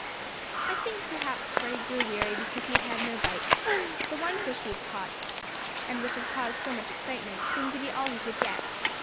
I think perhaps Freddie grew weary because he had had no bites. That one fish he had caught, and which had caused so much excitement, seemed to be all he could get.